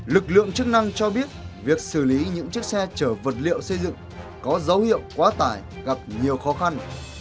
lực lượng chức năng cho biết việc xử lý những chiếc xe chở vật liệu xây dựng có dấu hiệu quá tải gặp nhiều khó khăn